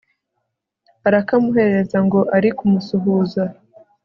arakamuhereza ngo ari kumusuhuza